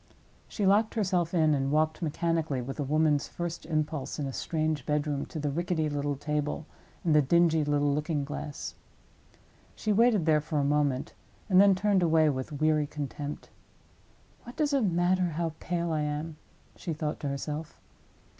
She locked herself in and walked mechanically, with a woman's first impulse in a strange bedroom, to the rickety little table and the dingy little looking glass. She waited there for a moment, and then turned away with weary contempt. "What does it matter how pale I am?" she thought to herself.